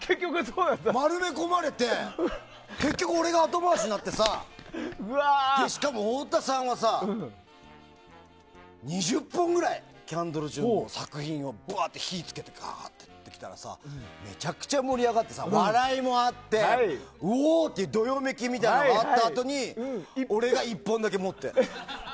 丸め込まれて結局、俺が後回しになってしかも、太田さんは２０本ぐらいキャンドル・ジュンの作品をぶわーって火を付けてやったらめちゃくちゃ盛り上がって笑いもあっておおー！っていうどよめきがあったあとに俺が１本だけ持ってるの。